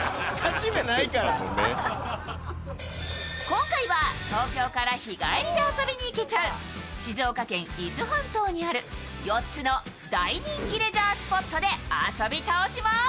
今回は東京から日帰りで遊びに行けちゃう静岡県伊豆半島にある４つの大人気レジャースポットで遊び倒します。